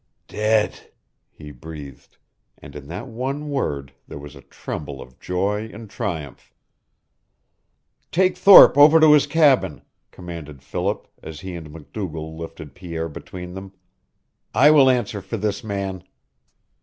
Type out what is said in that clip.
"Dead!" he breathed, and in that one word there was a tremble of joy and triumph. "Take Thorpe over to his cabin," commanded Philip, as he and MacDougall lifted Pierre between them. "I will answer for this man."